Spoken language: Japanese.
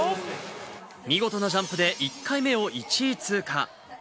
見事なジャンプで、１回目を１位通過。